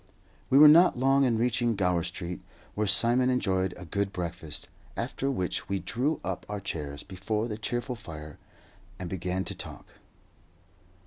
We were not long in reaching Gower Street, where Simon enjoyed a good breakfast, after which we drew up our chairs before the cheerful fire and began to talk.